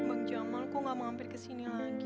teman jangan nggak mau hampir kesini lagi ya